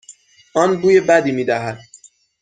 آن بوی بدی میدهد.